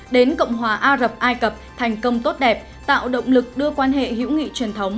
đến cộng hòa á rập ai cập thành công tốt đẹp tạo động lực đưa quan hệ hữu nghị truyền thống